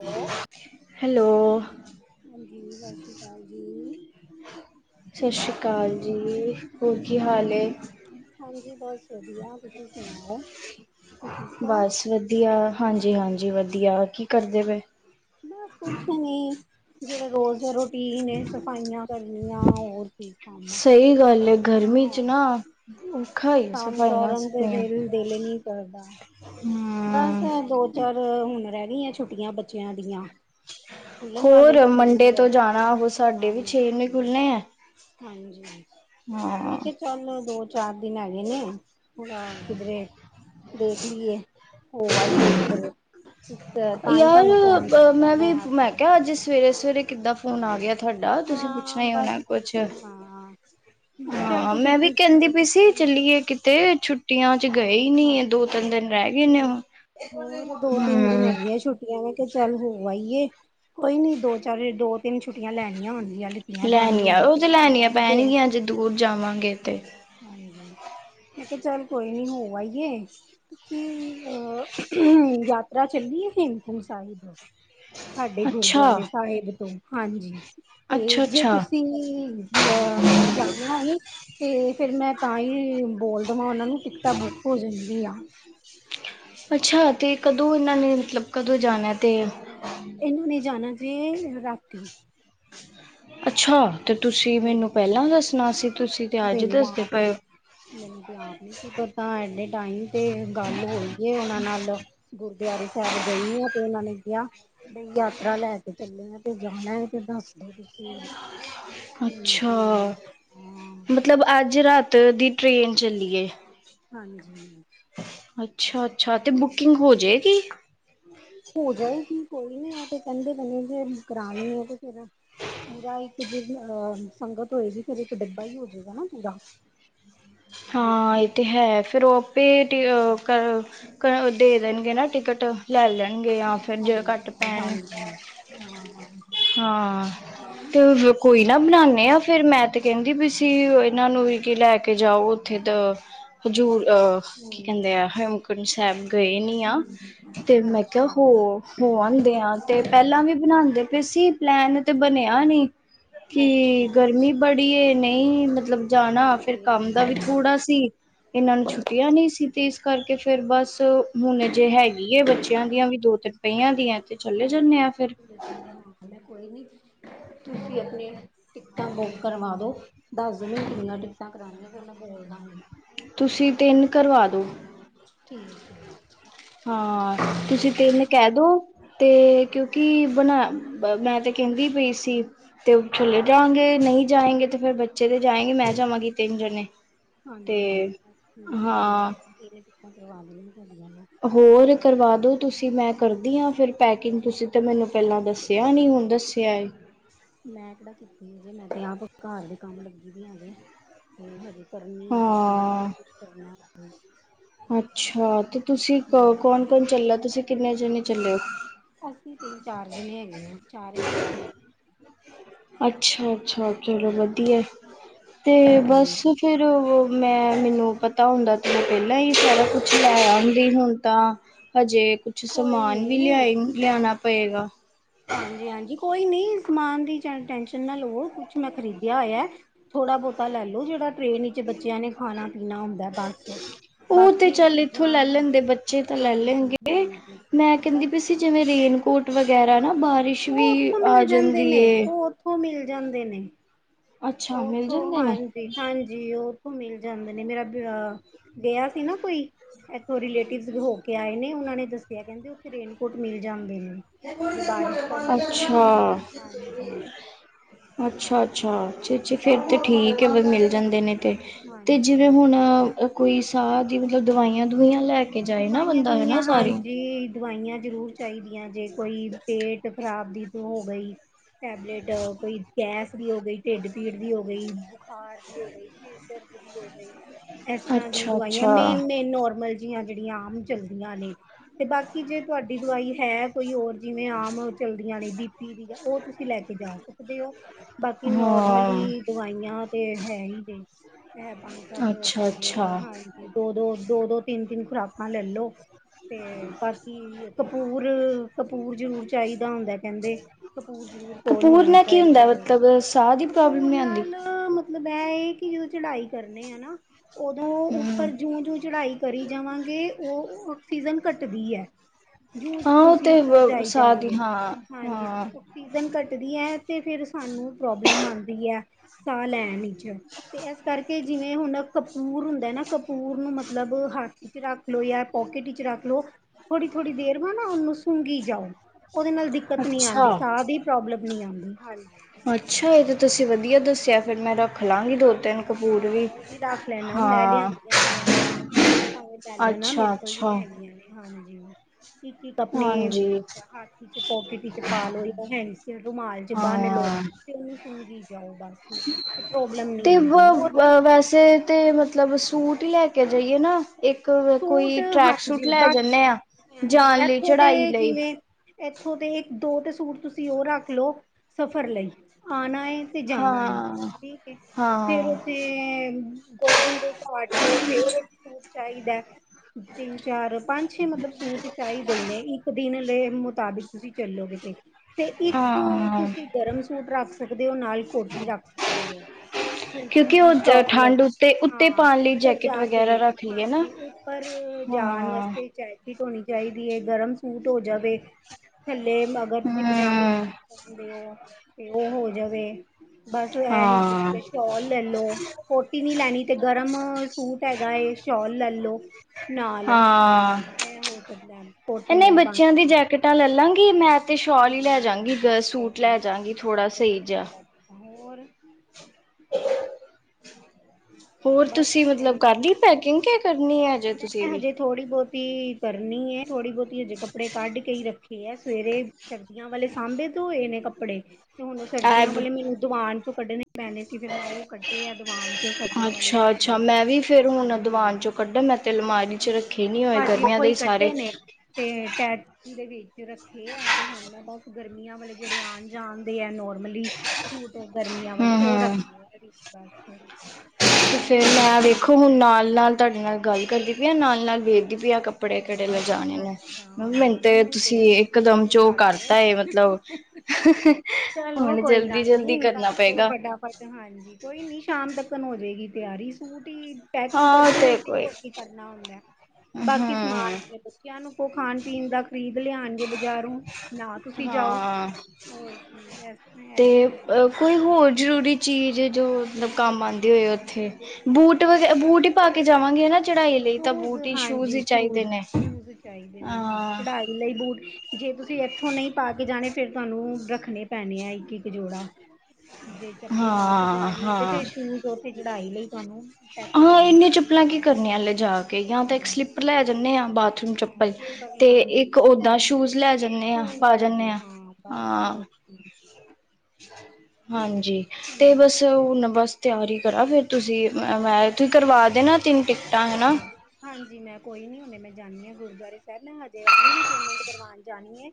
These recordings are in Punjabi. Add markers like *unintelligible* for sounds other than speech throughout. ਹੈਲੋ, ਹੈਲੋ ਹਾਂਜੀ। ਸਤਿ ਸ਼੍ਰੀ ਅਕਾਲ ਜੀ। ਸਤਿ ਸ਼੍ਰੀ ਅਕਾਲ ਜੀ। ਹੋਰ ਕੀ ਹਾਲ ਹੋਰ ਏ? ਹਾਂਜੀ। ਬਸ ਵਧੀਆ। ਤੁਸੀ ਸੁਣਾਓ ਤੁਸੀ ਠੀਕ ਓ? ਬਸ ਵਧੀਆ ਹਾਂਜੀ- ਹਾਂਜੀ ਵਧੀਆ। ਕੀ ਕਰਦੇ? ਪਏ ਬਸ ਕੁਛ ਨੀ, ਜੇਹੜਾ ਰੋਜ਼ ਦਾ ਰੋਟ ਟੀਨ ਏ ਸਫਾਈਆਂ ਕਰਨੀਆਂ। ਹੋਰ ਕੀ ਕੰਮ ਆ। ਸਹੀ ਗੱਲ ਏ। ਗਰਮੀ ਚ' ਆਹੋ ਨਾ ਔਖਾ ਹੀ ਆ ਕੰਮ ਸਫ਼ਾਈਆਂ- ਕਰਨ ਤੇ ਸਫਆਂ। ਦਿਲ ਦਿਲ ਨੀ ਕਰਦਾ ਹੂ ਬਸ ਦੋ- ਚਾਰ ਹੁਨਰ ਰਹਿ ਗਈਆਂ ਛੁੱਟੀਆਂ ਬੱਚਿਆਂ ਦੀਆਂ। ਖੁਲਣ ਵਾਲੇ ਹੋਰ ਮੰਡੇ ਸਕੂਲ। ਤੋਂ ਜਾਣਾ ਉਹ ਸਾਡੇ ਵੀ ਛੇ ਨੂੰ ਹਾਂਜੀ। ਖੁੱਲਣੇ ਹੈ ਹਾਂਜੀ। ਮੈਂ ਹਾਂ ਕਿਹਾ, ਚੱਲ ਦੋ- ਚਾਰ ਦਿਨ ਹੈਗੇ ਨੇ। ਥੋੜਾ ਕਿਧਰੇ ਦੇਖ ਲਈਏ। ਹੋ ਆਈਏ ਬਰੇ। ਯਾਰ, ਕੀਤਾ ਮੈਂ ਵੀ ਅੱਜ ਮੈਂ ਕਿਹਾ, ਅੱਜ ਸਵੇਰੇ -ਸਵੇਰੇ ਕਿੱਦਾਂ ਫੋਨ ਆ ਗਿਆ। ਤੁਹਾਡਾ ਤੁਸੀਂ ਪੁੱਛਣਾ ਹਾਂ ਹੀ ਹੋ ਬਸ ਨਾ ਕੁਛ। ਹਾਂ ਮੈਂ ਕਿਹਾ ਚੱਲ ਹਾਂ। ਕੁਛ ਮੈਂ ਵੀ ਪੁੱਛ ਕਹਿੰਦੀ ਕੇ ਪਈ ਸੀ ਕਿਤੇ ਚੱਲੀਏ ਕਿਤੇ ਛੁੱ ਛੁਟੀਆਂ ਚ' ਗਏ ਨੀ ਦੋ ਹਾਂਜੀ -ਤਿੰਨ ਦਿਨ ਰਹਿ ਗਏ ਨੇ। ਨੀ ਉਹ ਹੂ ਕਿ ਚੱਲ ਹੋ ਆਈਏ। ਕੋਈ ਨੀ ਦੋ- ਚਾਰ, ਦੋ- ਤਿੰਨ ਛੁੱਟੀਆਂ ਲੈਣੀਆਂ ਹੁਣ। ਲਿਤੀਆਂ ਜਾਣਗੀਆਂ ਲੈਣੀਆਂ ਉਹ ਬੱਚੇ ਤੇ ਲੈਣ ਲੈਣੀਆਂ ਲੈਣਗੇ। ਪੈਣਗੀਆਂ ਜੇ ਦੂਰ ਜਾਵਾਂਗੇ ਤੇ ਹਾਂਜੀ। ਮੈਂ ਕਿਹਾ, ਚੱਲ ਕੋਈ ਨਹੀਂ ਹੋ ਆਈਏ। ਤੁਸੀਂ ਹੂ, ਯਾਤਰਾ ਚੱਲਦੀ ਹੈ ਹੇਮਕੁੰਮ ਸਾਹਿਬ। ਸਾਡੇ ਅੱਛਾ ਗੁਰਦੁਆਰੇ ਸਾਹਿਬ ਤੋਂ। ਹਾਂਜੀ। ਤੇ ਅੱਛਾ ਜੇ ਅੱਛਾ ਤੁਸੀਂ ਅ ਜਾਨਾ ਈ ਤੇ ਫਿਰ ਮੈਂ ਤਾਂ ਈ ਬੋਲ ਦਵਾਂ ਓਨਾਂ ਨੂੰ ਟਿਕਟਾਂ ਬੁੱਕ ਵਧਿਆ। ਅੱਛਾ। ਤੇ ਕਦੋਂ ਇਹਨਾਂ ਨੇ ਮਤਲਬ ਕਦੋਂ ਜਾਣਾ ਤੇ। ਇਹਨਾਂ ਨੇ ਜਾਣਾ ਜੇ ਰਾਤੀ। ਅੱਛਾ! ਤੇ ਤੁਸੀਂ ਮੈਨੂੰ ਹਾਂਜੀ ਪਹਿਲਾਂ ਦੱਸਣਾ ਸੀ। ਤੁਸੀਂ ਤੇ ਅੱਜ ਮੈਨੂੰ ਦੱਸਦੇ ਆਪ ਪਏ ਹੋ। ਮੈਨੂੰ ਤਾਂ ਆਪ ਨੀ ਸੀ ਪਤਾ ਐਡੇ ਟਾਈਮ ਤੇ ਗੱਲ ਹੋਈ ਹੈ ਉਹਨਾਂ ਨਾਲ। ਗੁਰਦੁਆਰੇ ਸਾਹਿਬ ਗਈ ਆ। ਤੇ ਉਹਨਾਂ ਨੇ ਕਿਹਾ, ਬ ਯਾਤਰਾ ਲੈ ਕੇ ਚੱਲੇ ਆ। ਤੇ ਜਾਣਾ ਹੈ ਤੇ ਦੱਸਦੋ ਤੁਸੀਂ। ਅੱਛਾ। ਹਾਂਜੀ ਹਾਂ ਮਤਲਬ ਅੱਜ ਰਾਤ ਦੀ ਟ੍ਰੇਨ ਚੱਲੀਏ। ਹਾਂਜੀ। ਅੱਛਾ-ਅੱਛਾ, ਤੇ ਬੁਕਿੰਗ ਹੋਜੇਗੀ? ਹੋ ਜਾਏਗੀ ਕੋਈ ਨੀ, ਓ ਤੇ ਕਹਿੰਦੇ ਪਏ ਨੇ, ਜੇ ਕਰਾਣੀ ਈ, ਤੇ ਫਿਰ ਪੂਰਾ ਇੱਕ ਜੇ ਅਹ ਸੰਗਤ ਹੋਏਗੀ, ਫਿਰ ਇੱਕ ਡੱਬਾ ਹੀ ਹੋਜੇਗਾ ਨਾ ਪੂਰਾ। *inaudible* ਬੁੱਕ ਹਾਂ, ਇਹ ਤੇ ਹੈ, ਫਿਰ ਉਹ ਆਪੇ ਟੀ ਅ ਹਾਂਜੀ ਕਰ ਕ ਦੇ ਦੇਣਗੇ ਨਾ ਟਿਕਟ। ਲੈ ਲੈਣਗੇ ਯਾਂ ਫਿਰ ਜੇ ਹਾਂਜੀ ਘੱਟ ਪੈਣ, ਹਾਂਜੀ ਹਾਂ ਹਾਂਜੀ ਹਮ ਹਾਂ। ਤੇ ਕੋਈ ਨਾ ਬਣਾਨੇ ਆਂ ਫਿਰ, 'ਮੈਂ' ਤੇ ਕਹਿੰਦੀ ਪੀਸੀ ਇਹਨਾਂ ਨੂੰ ਵੀ ਕੀ ਲੈਕੇ ਜਾਓ। ਉੱਥੇ ਤਾਂ ਹਜ਼ੂਰ ਅਹ ਕੀ ਕਹਿੰਦੇ ਆ, ਹੇਮਕੁੰਟ ਸਾਹਿਬ ਗਏ ਨੀ ਆ‌। ਤੇ ਅੱਛਾ ਮੈਂ ਅੱਛਾ ਕਿਹਾ ਹੋ, ਹੋ ਆਂਦੇ ਆ। ਤੇ ਪਹਿਲਾਂ ਵੀ ਬਣਾਂਦੇ ਪਏ ਸੀ ਪਲੈਨ, ਤੇ ਬਣਿਆ ਨੀ। ਹਾਂਜੀ ਕੀ ਗਰਮੀ ਬੜੀ ਏ ਨਹੀਂ, ਮਤਲਬ ਜਾਣਾ ਫੇਰ ਹਾਂਜੀ ਕੰਮ ਦਾ ਵੀ ਅਸੀ ਇਹਨਾਂ ਨੂੰ ਛੁੱਟੀਆਂ ਨਹੀਂ ਸੀ, ਤੇ ਇਸ ਕਰਕੇ ਫਿਰ ਬਸ ਹੁਣੇ ਜੇ ਹੈਗੀ ਏ ਬੱਚਿਆਂ ਦੀਆਂ ਵੀ, ਦੋ-ਤਿੰਨ ਪਈਂਆਂ ਦੀਆਂ ਤੇ ਚਲੇ ਜਾਂਦੇੇ ਆ ਫਿਰ। ਹਾਂਜੀ ਹਾਂ ਕੋਈ ਨੀ, ਤੁਸੀ ਆਪਣੀ ਟਿਕਟਾਂ ਬੁੱਕ ਕਰਵਾ ਦੋ। ਦੱਸ ਦਿੰਨੀਆਂ ਕਿੰਨੀਆਂ ਟਿਕਟਾਂ ਕਰਾਣੀਆਂ, ਫਿਰ ਮੈਂ ਬੋਲ ਦਾਂਗੀ। ਤੁਸੀਂ ਤਿੰਨ ਕਰਵਾਦੋ‌। ਠੀਕ ਏ। ਹਾਂ, ਤੁਸੀਂ ਤਿੰਨ ਕਹਿਦੋ ਤੇ, ਕਿਉਂਕਿ ਬਣਾ, ਮੈਂ ਤਾ ਕਹਿੰਦੀ ਪਈ ਸੀ। ਤੇ ਉਹ ਚਲੇ ਜਾਂਗੇ, ਨਹੀਂ ਜਾਈਂਗੇ ਤਾਂ ਫਿਰ ਬੱਚੇ ਤੇ ਜਾਂਈਗੇ 'ਮੈਂ' ਜਾਵਾਂਗੀ ਤਿੰਨ ਜਣੇ। ਤੇ ਹਾਂਜੀ-ਹਾਂਜੀ, ਠੀਕ ਹੈ ਹਾਂ ਤਿੰਨ ਟਿਕਟਾਂ ਕਰਵਾਲੀਆ ਤੁਹਾਡੀਆਂ ਮੈਂ। ਹੋਰ ਬੁੱਕ ਕਰਵਾਦੋ ਤੁਸੀਂ, ਮੈਂ ਕਰਦੀ ਹਾਂ ਫਿਰ ਪੈਕਿੰਗ। ਤੁਸੀਂ ਤੇ ਮੈਨੂੰ ਪਹਿਲਾਂ ਦੱਸਿਆ ਨੀ, ਹੁਣ ਦੱਸਿਆ ਏ। ਮੈਂ ਕਿਹੜਾ ਕੀਤੀ ਜੇ। 'ਮੈਂ' ਤੇ ਆਪ ਘਰਦੇ ਕੰਮ ਲੱਗੀ ਵੀ ਆਂ ਹਜੇ। ਨਹੀਂ ਹਜੇ ਕਰਨੀ ਏ ਪੈਕੀੰਗ, ਸਭ ਹਾਂ ਕੁਛ ਕਰਨਾ ਹਜੇ। ਅੱਛਾ, ਤੇ ਤੁਸੀਂ ਕ ਹਾਂਜੀ ਕੌਣ-ਕੌਣ ਚੱਲਾ, ਤੁਸੀਂ ਕਿੰਨੇ ਜਣੇ ਚੱਲੇ ਓ? ਅਸੀਂ ਤਿੰਨ-ਚਾਰ ਜਣੇ ਹੈਗੇ ਆਂ, ਚਾਰੇ ਈ ਚੱਲੇ ਆ। ਅੱਛਾ-ਅੱਛਾ ਚਲੋ ਹਾਂਜੀ ਵਧੀਆ, ਤੇ ਬਸ ਹਾਂਜੀ ਫਿਰ ਤੇ, ਮੈਂ ਮੈਨੂੰ ਪਤਾ ਹੁੰਦਾ ਤੇ, ਮੈਂ ਪਹਿਲਾਂ ਈ ਸਾਰਾ ਕੁਛ ਲੈ ਆਂਉਦੀ ਹੁਣ ਤਾਂ। ਹਜੇ, ਕੁਛ ਕੋਈ ਸਮਾਨ ਵੀ ਨੀ ਲਿਆਈ, ਲਿਆਣਾ ਪਇਗਾ। ਹਾਂਜੀ-ਹਾਂਜੀ, ਕੋਈ ਨਈ ਸਮਾਨ ਦੀ ਟੈੰਸ਼ਨ ਨਾ ਲਵੋ, ਕੁਛ ਮੈਂ ਖ਼ਰੀਦਿਆ ਹੋਇਆ। ਥੋੜਾ-ਬਹੁਤਾ ਲੈਲੋ, ਜਿਹੜਾ ਟ੍ਰੇਨ ਵਿਚ ਬੱਚਿਆਂ ਨੇ ਖਾਣਾ-ਪੀਣਾ ਹੁੰਦਾ, ਬੱਸ। ਉਹ ਤੇ ਚੱਲ ਇੱਥੋਂ ਲੈ ਲੈਂਦੇ ਬੱਚੇ, ਤਾਂ ਲੈ ਹਾਂਜੀ ਲੈਣਗੇ। ਹਾਂਜੀ ਬਸ 'ਮੈਂ'ਕਹਿੰਦੀ ਪੀ ਸੀ, ਜਿਵੇਂ ਰੇਨਕੋਟ ਵਗੈਰਾ ਨਾ, ਬਾਰਿਸ਼ ਓਹ ਵੀ ਉੱਥੋਂ ਆ ਮਿਲ ਜਾਂਦੇ ਜਾਂਦੀ ਨੇ, ਏ। ਉਹ ਉੱਥੋਂ ਮਿਲ ਜਾਂਦੇ ਨੇ। ਅੱਛਾ। ਉਹ ਮਿਲ ਉੱਥੋਂ ਜਾਂਦੇ ਨੇ? ਹਾਂਜੀ ਹਾਂਜੀ, ਉਹ ਓਥੋਂ ਮਿਲ ਜਾਂਦੇ ਨੇ, ਮੇਰਾ ਬ ਅਹ ਗਿਆ ਸੀ ਨਾ ਕੋਈ। ਐਥੋਂ ਰਿਲੇਟਿਵਸ ਹੋਕੇ ਆਏ ਨੇ, ਉਹਨਾਂ ਨੇ ਦੱਸਿਆ ਕਹਿੰਦੇ ਉਥੇ ਰੇਨਕੋਟ ਮਿਲ ਜਾਂਦੇ ਨੇ। ਜੇ ਬਾਰਿਸ਼ ਦਾ ਮੌਸਮ ਹੋਏ, ਅੱਛਾ ਹਾਂਜੀ। ਅੱਛਾ-ਅੱਛਾ, ਛ-ਛ ਫਿਰ ਤੇ ਠੀਕ ਏ, ਬ ਮਿਲ ਜਾਂਦੇ ਨੇ। ਤੇ ਜਿਵੇਂ ਹਾਂਜੀ ਹੁਣ, ਕੋਈ ਸਾਂਹ ਦੀ ਮਤਲਬ ਦਵਾਈਆਂ-ਦੁਵਾਈਆਂ ਲੈ ਕੇ ਜਾਏ ਨਾ ਬੰਦਾ ਹਨਾ ਦਵਾਈਆਂ-ਦੁਵਾਈਆਂ, ਸਾਰੀ। ਹਾਂਜੀ। ਦਵਾਈਆਂ ਜ਼ਰੂਰ ਚਾਈਦੀਆਂ। ਜੇ ਕੋਈ ਪੇਟ ਖ਼ਰਾਬ ਦੀ ਹੋ ਗਈ। ਟੈਬਲੇਟ। ਕੋਈ ਗੈਸ ਦੀ ਹੋ ਗਈ, ਢਿੱਡ ਪੀੜ ਦੀ ਹੋ ਗਈ, ਬੁਖਾਰ ਦੀ ਹੋ ਗਈ। ਸਿਰ ਦਰਦ ਦੀ ਹੋ ਗਈ, ਇਸ ਤਰ੍ਹਾਂ ਦੀ ਦਵਾਈਆਂ ਅੱਛਾ-ਅੱਛਾ, ਮੇਨ-ਮੇਨ ਨੋਰਮਲ ਜੀਆ ਜਿਹੜੀਆਂ ਆਮ ਚਲਦੀਆਂ ਨੇ‌। ਤੇ, ਬਾਕੀ ਜੇ ਤੁਹਾਡੀ ਦਵਾਈ ਹੈ, ਕੋਈ ਓਰ ਜਿਵੇਂ ਆਮ ਚਲਦੀਆਂ ਨੇ ਬੀਪੀ ਦੀਆ, ਉਹ ਤੁਸੀਂ ਲੈਕੇ ਜਾ ਸਕਦੇ ਓ। ਬਾਕੀ ਹਾਂ, ਨੌਰਮਲੀ ਦਵਾਈਆਂ ਤੇ, ਹੈਹੀ ਨੇ। ਹੈ, ਪੰਜ-ਸੱਤ ਟੈਬਲੇਟ, ਅੱਛਾ-ਅੱਛਾ। ਹਾਂਜੀ ਦੋ-ਦੋ, ਦੋ-ਦੋ ਤਿੰਨ-ਤਿੰਨ ਖੁਰਾਕਾਂ ਲੈਲੋ। ਤੇ ਬਾਕੀ ਕਪੂਰ, ਕਪੂਰ ਜਰੂਰ ਚਾਈਦਾ ਹੁੰਦਾ, ਕਹਿੰਦੇ। ਕਪੂਰ ਜ਼ਰੂਰ ਕੋਲ ਕਪੂਰ ਹੋਣਾ ਨਾਲ ਕੀ ਹੁੰਦਾ ਚਾਹੀਦਾ ਐ, ਮਤਲਬ ਸਾਹ ਦੀ ਪ੍ਰੋਬਲਮ ਕਪੂਰ ਨੀ ਆਂਦੀ? ਨਾਲ ਮਤਲਬ ਐ ਇਹ ਕਿ ਜਦੋਂ ਚੜਾਈ ਕਰਨੇ ਆ ਨਾ ਉਦੋਂ ਹੂੰ, ਉੱਪਰ ਜੂ ਜੂ ਚੜਾਈ ਕਰੀ ਜਾਵਾਂਗੇ, ਉਹ ਓਕ੍ਸੀਜਣ ਘੱਟਦੀ ਐ। ਜੂ ਹਾਂ ਜੂ ਉਹ ਅਸੀਂ ਤੇ ਉੱਪਰ ਜਾਈ ਸਾਹ ਦੀ ਦੇਵਾਂਗੇ, ਹਾਂਜੀ। ਹਾਂ-ਹਾਂ, ਸੀਜ਼ਨ ਕੱਟਦੀ ਐ ਤੇ ਫੇਰ ਸਾਨੂੰ ਪ੍ਰੋਬਲਮ ਆਂਦੀ ਐ ਸਾਹ ਲੈਣ ਈਚ। ਤੇ ਇਸ ਕਰਕੇ ਜਿਵੇਂ ਹੁਣ ਕਪੂਰ ਹੁੰਦਾ ਨਾ ਕਪੂਰ ਨੂੰ ਮਤਲਬ ਹੱਥ ਵਿੱਚ ਰੱਖ ਲੋ ਯਾਰ ਪੋਕੇਿਟ ਵਿੱਚ ਰੱਖ ਲੋ ਥੋੜੀ ਥੋੜ੍ਹੀ ਦੇਰ ਬਾਅਦ ਨਾ ਉਹਨੂੰ ਸੁੰਘੀ ਜਾਓ। ਉਹਦੇ ਨਾਲ ਦਿੱਕਤ ਨੀ ਅੱਛਾ। ਆਂਦੀ ਸਾਹ ਦੀ ਪ੍ਰੋਬਲਮ ਨ ਆਂਦੀ, ਹਾਂਜੀ। ਅੱਛਾ, ਇਹ ਤਾਂ ਤੁਸੀਂ ਵਧੀਆ ਦੱਸਿਆ ਫੇਰ ਮੈਂ ਤਾ ਹਾਂ, ਉਹ ਵੀ ਰੱਖ ਲੈਣਾ ਮੈਂ ਹਾਂ, ਲਿਆਂਦੀਆਂ ਹੋਈਆਂ ਨੇ। ਆਹੋ ਪਹਿਲਾ ਨਾ ਮੇਰੇ ਕੋਲ ਵੀ ਅੱਛਾ-ਅੱਛਾ, ਹੈਗੀਆਂ ਨੇ ਹਾਂਜੀ, ਇੱਕ-ਇੱਕ ਆਪਣੇ ਹਾਂਜੀ। ਹੱਥ ਵਿਚ ਪੋਕਿਟ ਇਚ ਪਾਲੋ, ਜਾਂ ਹੈਕ ਰੁਮਾਲ ਚ ਬੰਨ ਲੋ। ਹਾਂ। ਤੇ ਉਹਨੂੰ ਸੁੰਗੀ ਜਾਓ ਬਸ। ਤੇ ਪ੍ਰੋਬਲਮ ਨੀ ਤੇ ਬ ਆਉਂਦੀ ਹੋਰ ਅਹ ਬਾਕੀ ਵੈਸੇ ਤੇ ਮਤਲਬ ਸੂਟ ਈ ਲੈ ਕੇ ਜਾਈਏ ਨਾ ਇੱਕ ਸੂਟ ਕੋਈ ਟਰੈਕ ਸੂਟ ਹਾਂਜੀ ਲੈ ਬਾਕੀ ਜਾਂਨੇ ਆ, ਹਾਂਜੀ ਜਾਣ ਲਈ ਇੱਥੋਂ ਚੜਾਈ ਤੇ ਲਈ। ਜਿਵੇਂ ਇੱਥੋਂ ਤੇ ਇੱਕ ਦੋ ਤੇ ਸੂਟ ਤੁਸੀਂ ਉਹ ਰੱਖ ਲੋ ਸਫ਼ਰ ਲਈ, ਆਣਾ ਏ ਤੇ ਜਾਣਾ ਏ, ਹਾਂ। ਠੀਕ ਏ ਫੇਰ ਹਾਂ। ਉੱਥੇ ਗੋਬਿੰਦ ਘਾਟ ਤੋਂ ਫੇਰ ਇੱਕ ਸੂਟ ਚਾਈਦਾ। ਤਿੰਨ, ਚਾਰ, ਪੰਜ, ਛੇ ਮਤਲਬ ਸੂਟ ਚਾਈਦੇ ਈ ਨੇ ਇੱਕ ਦਿਨ ਲੇ ਮੁਤਾਬਿਕ ਤੁਸੀਂ ਚੱਲੋ ਗੇ ਤੇ, ਤੇ ਇੱਕ ਹਾਂ ਤੁਸੀਂ ਗਰਮ ਸੂਟ ਰੱਖ ਸਕਦੇ ਓ ਨਾਲ ਕੋਟੀ ਰੱਖ ਪੁਛਦੇ ਓ, ਹਲਕੀ ਕਿਉਂਕਿ ਜੀ ਉਹ ਸ਼ੋਲ, ਠੰਡ ਉੱਤੇ ਉੱਤੇ ਹਾਂ ਪਾਉਣ ਲਈ ਉੱਪਰ ਜੈਕਟ ਜਾ ਕੇ ਵਗੈਰਾ ਰੱਖ ਲਈਏ ਨਾ। ਹਾਂਜੀ, ਉੱਪਰ ਜਾਣ ਹਾਂ। ਵਾਸਤੇ ਜੈਕਿਟ ਹੋਣੀ ਚਾਈਦੀ ਏ ਗਰਮ ਸੂਟ ਹੋ ਜਾਵੇ, ਥੱਲੇ ਮਗਰ ਤੁਸੀਂ ਪਜਾਮੀ ਹਮ ਦਿਓ ਤੇ ਉਹ ਹੋ ਜਾਵੇ ਬਸ ਹਾਂ ਐਹੀ ਸ਼ੋਲ ਲੈ ਲੋ। ਕੋਟੀ ਨੀ ਲੈਣੀ ਤੇ ਗਰਮ ਸੂਟ ਹੈਗਾ ਐ। ਸ਼ੋਲ ਲੈ ਲੋ ਨਾਲ, ਹਾਂ। ਇਹ ਹੋ ਸਕਦਾ ਕੋਟੀ ਨਹੀਂ ਪਾਨੀ ਕਿਟਾ ਲੈ ਲਾਂਗੀ ਮੈਂ ਤਾਂ ਸ਼ੋਲ ਹੀ ਲੈ ਜਾਂਗੀ, ਹਾਂਜੀ ਸੂਟ ਲੈ ਸ਼ੋਲ ਜਾਂਗੀ ਹਾਂਜੀ ਥੋੜ੍ਹਾ ਸਹੀ ਬੱਚਿਆਂ ਦੀ ਜਿਹਾ। ਜੈਕਟ ਹੋਰ? ਹੋਰ ਬਸ ਤੁਸੀਂ ਏਦਾਂ ਹੀ ਮਤਲਬ ਕਰਲੀ ਪੈਕਿੰਗ ਕ ਕਰਨੀ ਐ ਅਜੇ ਤੁਸੀਂ ਮੈਂ ਵੀ? ਹਜੇ ਥੋੜ੍ਹੀ ਬਹੁਤੀ ਕਰਨੀ ਐ, ਥੋੜੀ ਬਹੁਤੀ ਹਜੇ ਕੱਪੜੇ ਕੱਢ ਕੇ ਹੀ ਰੱਖੇ ਇਹ ਹੈ ਸਵੇਰੇ ਸਰਦੀਆਂ ਵਾਲੇ ਸਾਂਭੇ ਧੋਏ ਨੇ ਕੱਪੜੇ? ਤੇ ਹੁਣ ਉਹ ਸਰਦੀਆਂ ਐਬ ਵਾਲੇ ਮੈਨੂੰ ਦਵਾਨ ਚੋਂ ਕੱਢਣੇ ਮੈਂਨੇ ਸੀ ਫਿਰ ਮੈਂ ਉਹ ਕੱਢੇ ਐ ਦਵਾਨ ਚੋਂ ਸਰਦੀਆਂ ਵਾਲੇ ਅੱਛਾ ਅੱਛਾ ਕੱਪੜੇ, ਮੈਂ ਵੀ ਫੇਰ ਹੁਣ ਹਾਂਜੀ। ਦੀਵਾਨ ਚੋਂ ਕੱਢਾ ਮੈਂ ਤੇ ਅਲਮਾਰੀ ਚ ਰੱਖੇ ਨੀ ਹੋਏ ਭਾਜੀ ਗਰਮੀਆਂ ਦੇ ਉਹੀ ਹੀ ਕੱਢੇ ਸਾਰੇ ਨੇ ਤੇ ਟੇਚ ਚੀ ਦੇ ਵਿੱਚ ਰੱਖੇ ਐ ਤੇ ਹੁਣ ਮੈਂ ਬਸ ਗਰਮੀਆਂ ਵਾਲੇ ਜਿਹੜੇ ਆਣ ਜਾਣ ਦੇ ਆ ਨੋਰਮਲੀ ਸੂਟ ਗਰਮੀਆਂ ਵਾਲੇ ਹੂੰ ਉਹ ਹੂੰ ਰੱਖਨੇ ਆ ਬਸ। ਫੇਰ ਮੈਂ ਵੇਖੋ ਹੁਣ ਨਾਲ ਨਾਲ ਤੁਹਾਡੇ ਨਾਲ ਗੱਲ ਕਰਦੀ ਪਈ ਆ ਨਾਲ ਨਾਲ ਵੇਖਦੀ ਪਈ ਆ ਕੱਪੜੇ। ਕੱਪੜੇ ਕਿੜੇ ਲਿਜਾਣੇ ਨੇ, ਅੱਛਾ ਮੈਨੂੰ ਹਾਂ ਨਹੀਂ ਤੇ ਨਹੀਂ ਤੁਸੀਂ ਦੇਖ ਲਓ ਇਕ ਤੁਸੀਂ ਦਮ ਵੀ ਚ ਉਹ ਕਰ ਲਓ ਕਰਤਾ ਐ ਮਤਲਬ ਚਲੋ ਹੁਣ ਕੋਈ ਜਲਦੀ ਗੱਲ ਜਲਦੀ ਨੀ ਕਰਨਾ ਕਰ ਦੋ ਪਏਗਾ। ਫਟਾਫਟ ਹਾਂਜੀ, ਕੋਈ ਨੀ ਸ਼ਾਮ ਤੱਕ ਹੋ ਜਾਏਗੀ ਤਿਆਰੀ, ਸੂਟ ਹੀ ਪੈਕਿੰਗ ਕਰਨੀ ਹਾਂ ਹੋਰ ਕੀ ਤੇ ਹੋਗੀ, ਕੋਈ ਹੋਰ ਕੀ ਕਰਨ ਨਾ ਹੁੰਦਾ ਬਾਕੀ ਸਮਾਨ ਹੂੰ ਆਪ ਬੱਚਿਆ ਨੂੰ ਕਹੋ ਖਾਣ ਪੀਣ ਦਾ ਖ਼ਰੀਦ ਲਿਆਣਗੇ ਬਾਜ਼ਾਰੋਂ, ਨਾ ਤੁਸੀਂ ਜਾਓ। ਹਾਂ ਹੋਰ ਠੀਕ ਇਸ ਤਰ੍ਹਾਂ ਤੇ ਐਹੀ ਉਸ ਅ ਕੋਈ ਹੋਰ ਜ਼ਰੂਰੀ ਚੀਜ਼ ਜੋ ਮਤਲਬ ਕੰਮ ਆਂਦੀ ਹੋਏ ਉੱਥੇ ਬੂਟ ਵੈਸੇ ਬੂਟ ਹੀ ਪਾ ਕੇ ਜਾਵਾਂਗੇ ਨਾ ਚੜਾਈ ਲਈ ਤਾਂ ਸ਼ੂਜ ਬੂਟ ਹੀ ਸ਼ੂਜ ਹਾਂਜੀ, ਹੀ ਸ਼ੂਜ਼ ਚਾਹੀਦੇ ਨੇ ਸ਼ੂਜ ਚਾਹੀਦੇ ਨੇ, ਹਾਂਜੀ, ਹਾਂ ਚੜਾਈ ਲਈ ਬੂਟ। ਜੇ ਤੁਸੀਂ ਇੱਥੋਂ ਨਹੀਂ ਪਾ ਕੇ ਜਾਣੇ ਫੇਰ ਤੁਹਾਨੂੰ ਰੱਖਣੇ ਪੈਣੇ ਆ ਇੱਕ ਇੱਕ ਜੋੜਾ, ਜੀ ਚੱਪਲ ਪਾ ਕੇ ਹਾਂ ਜਾਣੀ ਹੈ ਤੇ ਹਾਂ ਫੇਰ ਸ਼ੂਜ ਉੱਥੇ ਚੜਾਈ ਲਈ ਤੁਹਾਨੂੰ ਪੈਕਿੰਗ ਕਰਨੀ ਆ। ਹਿਲਾਂ ਕੀ ਕਰਨੇ ਵਾਲੇ ਜਾ ਕੇ ਜਾਂ ਤਾਂ ਇੱਕ ਸਲੀਪਰ ਲੈ ਜਾਂਦੇ ਹਾਂ ਬਾ ਬਾਥਰੂਮ ਹਾਂ ਚੱਪਲ ਸਲੀਪਰ ਤੇ ਹਾਂਜੀ ਇੱਕ ਉਹ ਲੈ ਓਦਾਂ ਜਾਓ ਸ਼ੂਜ ਲੈ ਜਾਂਦੇ ਹਾਂ ਸ਼ੂਜ ਪਾ ਲੈ ਜਾਂਦੇ ਜਾਓ ਹਾਂ, ਬਸ ਹਾਂ। *unintelligible* ਹਾਂਜੀ, ਤੇ ਹੂੰ ਬਸ ਹੁਣ ਬਸ। ਤਿਆਰੀ ਕਰਾਂ ਫਿਰ ਤੁਸੀਂ ਮੈਂ ਤੁਸੀਂ ਕਰਵਾ ਦੇਣਾ ਤਿੰਨ ਟਿਕਟਾਂ ਹੈ ਨਾ। ਹਾਂਜੀ ਮੈਂ ਕੋਈ ਨੀ ਹੁਨੇ ਮੈਂ ਜਾਂਦੀ ਹਾਂ ਗੁਰਦੁਆਰੇ ਸਾਹਿਬ ਨਾ ਹਜੇ ਆਪਣੀ ਵੀ ਟਮੈਂਟ ਕਰਵਾਉਣ ਜਾਣੀ ਹੈ।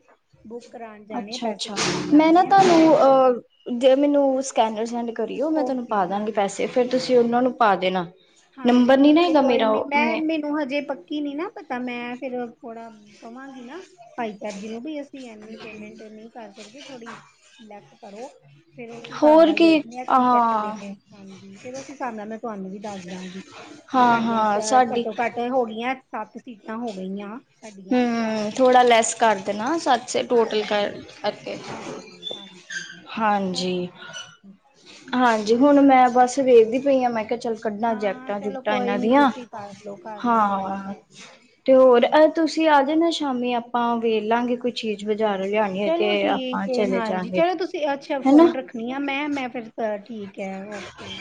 ਬੁੱਕ ਕਰਾਉਣ ਜਾਣੇ ਆ ਪੈਸੇ ਅੱਛਾ-ਅੱਛਾ ਦੇਣ ਮੈਂ ਨਾ ਜਾਣੇ ਆ ਤੇ ਮੈਂ ਤੁਹਾਨੂੰ ਕੋਈ। ਅ ਜੇ ਮੈਨੂੰ ਸਕੈਨਰ ਸੈਂਡ ਕਰੀਓ ਮੈਂ ਤੁਹਾਨੂੰ ਓਕੇ ਪਾ ਦਵਾਂਗੀ ਹਾਂਜੀ ਪੈਸੇ ਫੇਰ ਠੀਕ ਤੁਸੀਂ ਠੀਕ ਉਹਨਾਂ ਨੂੰ ਪਾ ਦੇਣਾ। ਨੰਬਰ ਨੀ ਹੈਗਾ ਮੇਰਾ ਉਹ ਮੈਂ। ਤੂੰ ਹਜੇ ਪੱਕੀ ਨੀ ਨਾ ਪਤਾ ਮੈਂ ਫਿਰ ਹੁਣ, ਕਹਾਂਗੀ ਨਾ ਭਾਈ ਸਾਹਿਬ ਜੀ ਨੂੰ ਵੀ ਅਸੀਂ ਇੰਨੀ ਪੇਮੈਂਟ ਨਹੀਂ ਕਰ ਸਕਦੇ ਥੋੜੀ ਲੈਫਟ ਕਰੋ ਫਿਰ ਉਸ ਹਿਸਾਬ ਹੋਰ ਨਾਲ ਦੇਖਦੇ ਆ ਕੀ ਕਹਿਣਦੇ ਹਾਂ ਨੇ। ਹਾਂਜੀ, ਫਿਰ ਉਸ ਹਿਸਾਬ ਨਾਲ ਮੈਂ ਤੁਹਾਨੂੰ ਵੀ ਦੱਸ ਦਵਾਂਗੀ ਵੀ ਸਾਡੀਆਂ ਚ ਹਾਂ-ਹਾਂ ਸਾਡੀ ਘੱਟੋ ਘੱਟ ਤੇ ਹੋ ਗਈਆਂ ਸੱਤ ਸੀਟਾਂ ਹੋ ਗਈਆ। ਹੂੰ, ਥੋੜਾ ਲੈਸ ਕਰ ਦੇਣਾ ਸੱਤ ਛੇ ਟੋਟਲ ਹਾਂਜੀ ਕਰ ਕਰਕੇ ਅਗੇ। ਹਾਂਜੀ ਹਾਂਜੀ। ਹਾਂਜੀ, ਹੁਣ ਮੈਂ ਬੱਸ ਵੇਖਦੀ ਪਈ ਹਾਂ ਮੈਂ ਕਿਹਾ ਚੱਲ ਕੱਢਣਾ ਹਾਂ ਜੈਕਟਾਂ ਚਲੋ ਜੁਕਟਾਂ ਕੋਈ ਇਹਨਾਂ ਨੀ ਦੀਆਂ, ਤੁਸੀਂ ਕਰ ਲਓ ਕਰ ਲਓ ਤਿਆਰੀ ਹਾਂ। ਕਰ ਤੇ ਹੋਰ ਤੁਸੀਂ ਆ ਜਾਣਾ ਸ਼ਾਮੀ ਆਪਾਂ ਵੇਖ ਲਾਂਗੇ ਕੁਝ। ਚੀਜ਼ ਬਾਜ਼ਾਰ ਲਿਆਣੀ ਹੈ ਤੇ ਚਲੋ ਠੀਕ ਆਪਾਂ ਏ ਚਲੇ ਹਾਂਜੀ ਜਾਗੇ ਚਲੋ ਤੁਸੀਂ ਅੱਛਾ ਫੋਨ ਹਨਾ। ਰੱਖਣੀ ਆ ਮੈਂ ਮੈਂ ਫਿਰ ਠੀਕ ਹੈ ਓਕੇ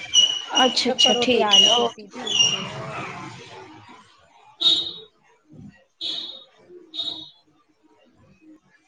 ਅੱਛਾ ਅੱਛਾ ਕਰੋ ਠੀਕ ਤਿਆਰੀ ਹੀ ਹੈ, ਓ ਤੁਸੀਂ ਠੀਕ। ਕੇ ਉਹ *unintelligible*